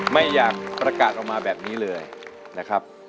ไม่อยากประกาศออกมาแบบนี้เลยนะครับ